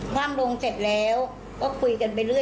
ว่ามลงเสร็จแล้วก็คุยกันไปเรื่อย